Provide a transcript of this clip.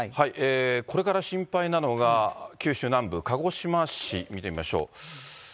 これから心配なのが、九州南部、鹿児島市見てみましょう。